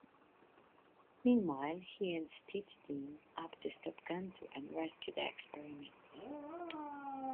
Meanwhile, he and Stitch team up to stop Gantu and rescue the experiment.